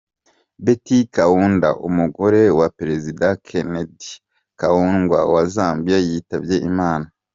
Betty Kaunda, umugore wa perezida Kenneth Kaunda wa Zambia yitabye Imana.